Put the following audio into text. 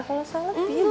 kalo salah pilih